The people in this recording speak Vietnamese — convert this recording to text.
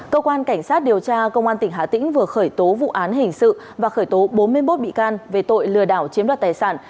cơ quan cảnh sát điều tra công an tỉnh hà tĩnh vừa khởi tố vụ án hình sự và khởi tố bốn mươi một bị can về tội lừa đảo chiếm đoạt tài sản